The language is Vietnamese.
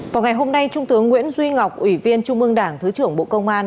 vào ngày hôm nay trung tướng nguyễn duy ngọc ủy viên trung ương đảng thứ trưởng bộ công an